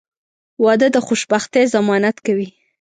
• واده د خوشبختۍ ضمانت کوي.